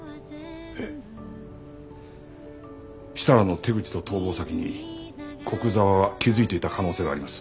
設楽の手口と逃亡先に古久沢は気づいていた可能性があります。